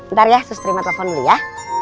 ntar ya sus terima telepon dulu ya